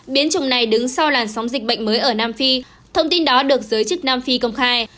biến chủng này đứng sau làn sóng dịch bệnh mới ở nam phi thông tin đó được giới chức nam phi công khai